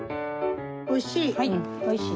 おいしい！